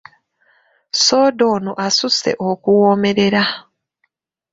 Soda ono asusse okuwoomerera!